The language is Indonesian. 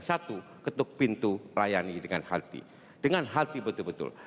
satu ketuk pintu layani dengan hati dengan hati betul betul